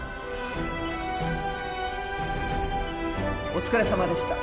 お疲れさまでした。